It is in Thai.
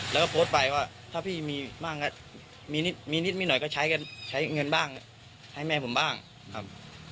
แล้วก็โพสต์ไปว่าถ้าพี่มีบ้างมีนิดหน่อยก็ใช้เงินบ้างให้แม่ผมบ้างครับ